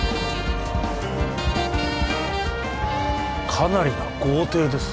かなりな豪邸です